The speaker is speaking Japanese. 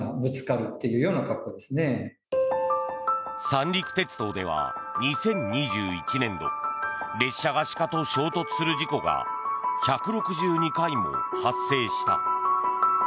三陸鉄道では２０２１年度列車が鹿と衝突する事故が１６２回も発生した。